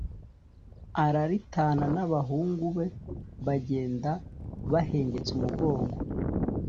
Araritana n'abahungu be bagenda bahengetse umugongo